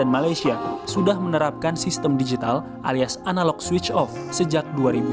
malaysia sudah menerapkan sistem digital alias analog switch off sejak dua ribu sembilan belas